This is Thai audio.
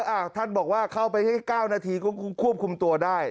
อ้าวท่านบอกว่าเข้าไปแค่๙นาทีก็ควบคุมตัวได้